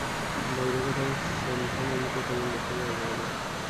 বাইরে কোথাও সান্থানামকে তেমন দেখতে পাওয়া যায় না।